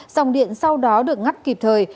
dòng điện sau đó được ngắt kịp thời